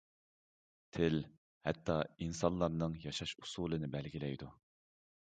تىل ھەتتا ئىنسانلارنىڭ ياشاش ئۇسۇلىنى بەلگىلەيدۇ.